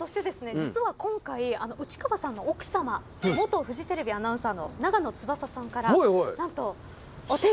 実は今回内川さんの奥さま元フジテレビアナウンサーの長野翼さんから何と。